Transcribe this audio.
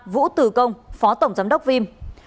ba vũ tử công phó tổng giám đốc vim